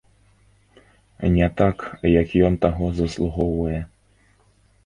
Не так, як ён таго заслугоўвае.